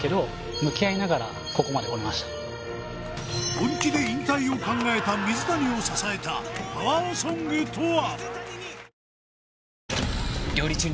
本気で引退を考えた水谷を支えたパワーソングとは！？